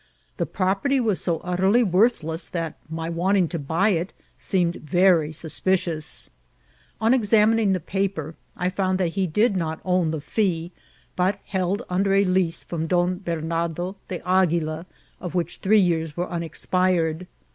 The property was so utterly worthless that my wanting to buy it seemed very suspicious. On ex amining the paper, I found that he did not own the fee, but held under a lease from Don Bernardo de Aguila, of which three years were unexpired.